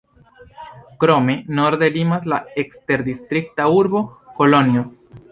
Krome norde limas la eksterdistrikta urbo Kolonjo.